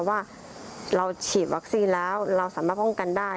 ว่าเราฉีดวัคซีนแล้วเราสามารถป้องกันได้